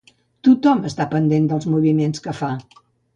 Tothom està pendent dels moviments que fa.